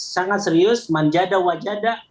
sangat serius manjada wajada